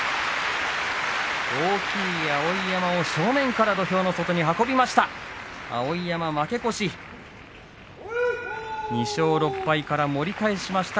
大きい碧山を正面から土俵外に運び出しました。